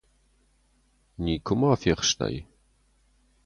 Никуыма фехстай?